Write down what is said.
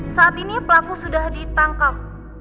saat ini pelaku sudah ditangkap